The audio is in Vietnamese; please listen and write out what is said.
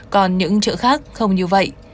còn những chợ khác không như vậy